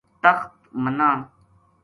تخت منا